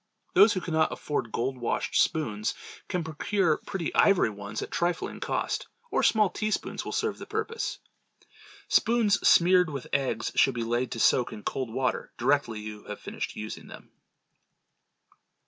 Those who cannot afford gold washed spoons, can procure pretty ivory ones at a trifling cost, or small teaspoons will serve the purpose. Spoons smeared with eggs should be laid to soak in cold water directly you have finished using them.